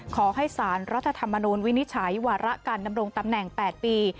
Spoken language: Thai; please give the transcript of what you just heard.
ขอให้สารรัฐธรรมนูลวินิจฉัยวาระการดำรงตำแหน่ง๘ปี